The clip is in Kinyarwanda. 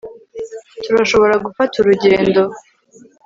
Turashobora gufata urugendo